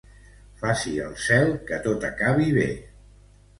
Faci el Cel que tot acabi bé.